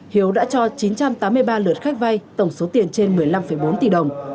hiếu đã cho chín trăm tám mươi ba lượt khách vay tổng số tiền trên một mươi năm bốn tỷ đồng